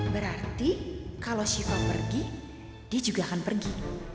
berarti kalo syifa pergi dia juga akan pergi